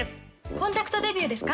コンタクトデビューですか？